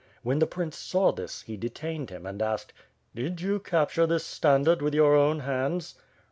When the prince saw this, he detained him and asked: "Did you capture this standard with you own hands?"